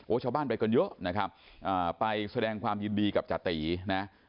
โอ้เช้าบ้านไปกันเยอะนะครับไปแบ่งความยินดีกับจาตรีนะ